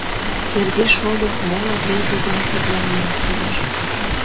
Сергей шольо моло рвезе дене пырля миен пурыш.